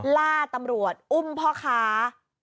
ล่าตำรวจอุ้มพ่อค้า